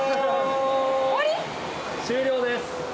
終了です。